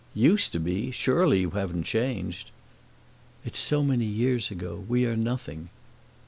"Used to be? Surely you haven't changed?" "It's so many years ago we are nothing."